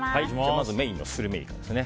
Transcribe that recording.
まずメインのスルメイカですね。